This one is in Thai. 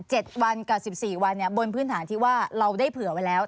๗วันกับสิบสี่วันเนี่ยบนพื้นฐานที่ว่าเราได้เผื่อไว้แล้ว